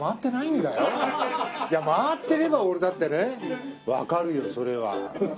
いや回ってれば俺だってねわかるよそれは。